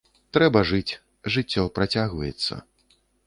Трэба жыць, жыццё працягваецца.